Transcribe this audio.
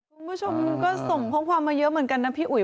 คุณผู้ชมก็ส่งข้อความมาเยอะเหมือนกันนะพี่อุ๋ย